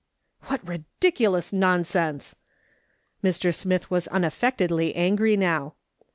" What ridiculous nonsense !" Mr. Smith was un affectedly angry now.